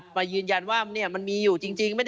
ไปยืนยันว่ามันมีอยู่จริง